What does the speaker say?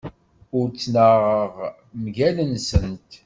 Ur ttnaɣeɣ mgal-nsent.